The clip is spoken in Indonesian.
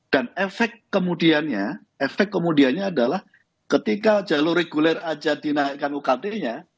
dan efek kemudiannya adalah ketika jalur reguler aja dinaikkan ukt nya